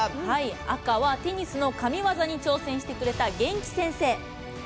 赤はテニスの神ワザに挑戦してくれた元気先生。